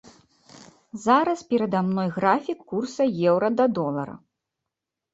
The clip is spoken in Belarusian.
Зараз перада мной графік курса еўра да долара.